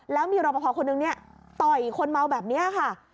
แล้วมีรอปภคนนึงเนี่ยต่อยคนเมาแบบนี้ค่ะ